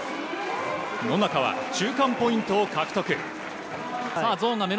野中は中間ポイントを獲得。